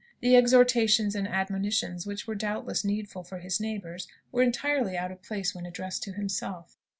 The exhortations and admonitions which were doubtless needful for his neighbours, were entirely out of place when addressed to himself.